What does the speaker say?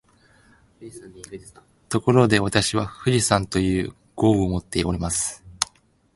ところで、私は「重山」という号をもっております